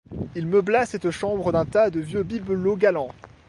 Il meubla cette chambre d'un tas de vieux bibelots galants.